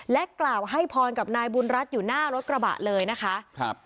กล่าวให้พรกับนายบุญรัฐอยู่หน้ารถกระบะเลยนะคะครับ